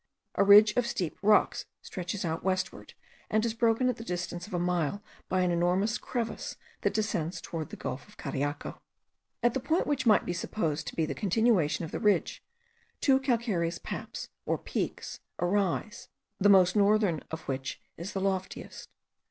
A ridge of steep rocks stretches out westward, and is broken at the distance of a mile by an enormous crevice that descends toward the gulf of Cariaco. At the point which might be supposed to be the continuation of the ridge, two calcareous paps or peaks arise, the most northern of which is the loftiest.